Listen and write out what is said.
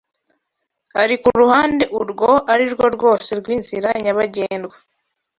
ari ku ruhande urwo arirwo rwose rw'inzira nyabagendwa